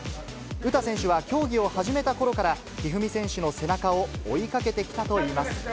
詩選手は競技を始めたころから、一二三選手の背中を追いかけてきたといいます。